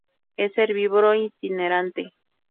Es herbívoro itinerante.